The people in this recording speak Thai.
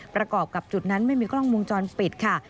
ประกอบกับจุดนั้นไม่มีกล้องวงจรปิดค่ะ